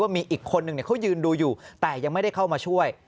มีอีกคนนึงเขายืนดูอยู่แต่ยังไม่ได้เข้ามาช่วย